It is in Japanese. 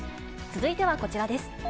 続いてはこちらです。